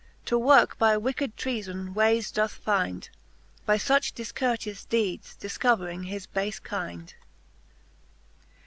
To worke by wicked treafon wayes doth find, By fuch difcourteous deedes difcovering his bafc kind* II.